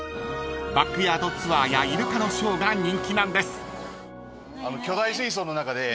［バックヤードツアーやイルカのショーが人気なんです］え！